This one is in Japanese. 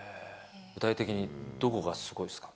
具体的にどこがすごいですか。